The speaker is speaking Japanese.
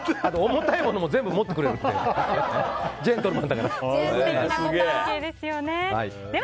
重たいものも全部持ってくれるんで。